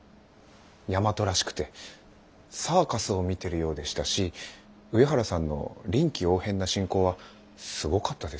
大和らしくてサーカスを見てるようでしたし上原さんの臨機応変な進行はすごかったですね。